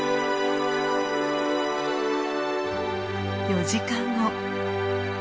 ４時間後。